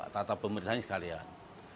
tata pemerintahnya sekalian